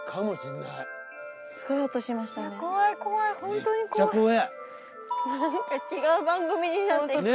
なんか違う番組になってきた。